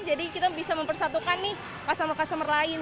jadi kita bisa mempersatukan nih customer customer lain